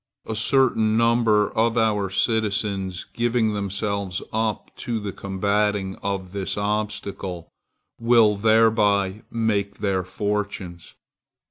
A certain number of our citizens, giving themselves up to the combating of this obstacle, will thereby make their fortunes.